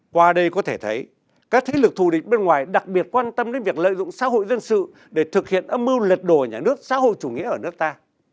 qua đây có thể thấy các thế lực thù địch bên ngoài đặc biệt quan tâm đến việc lợi dụng xã hội dân sự để thực hiện âm mưu lật đổ nhà nước xã hội chủ nghĩa ở nước ta